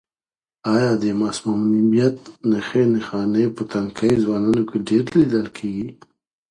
آیا د مسمومیت نښې نښانې په تنکیو ځوانانو کې ډېرې لیدل کیږي؟